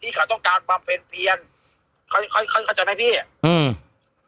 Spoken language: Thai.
ที่เขาต้องการปรับแผ่นค่อยเขาจะให้พี่อืม